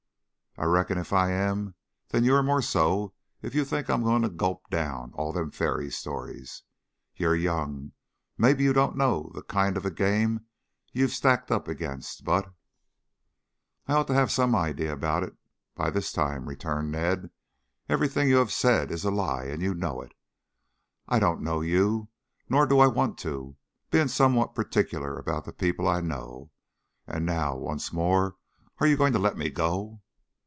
"I reckon if I am that you're more so if you think I am going to gulp down all them fairy stories. You're young. Mebby you don't know the kind of a game you've stacked up against, but " "I ought to have some idea about it by this time," returned Ned. "Everything you have said is a lie and you know it. I don't know you, nor do I want to, being somewhat particular about the people I know. And now once more, are you going to let me go?"